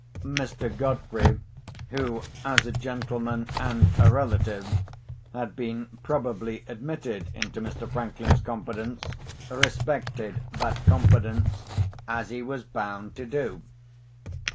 Mr. Godfrey, who, as a gentleman and a relative, had been probably admitted into Mr. Franklin's confidence, respected that confidence as he was bound to do.